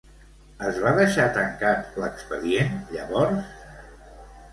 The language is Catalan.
Es va deixar tancat l'expedient, llavors?